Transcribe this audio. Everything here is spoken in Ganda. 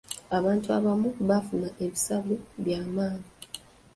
Abantu abamu bafuna ebisago by'amaanyi.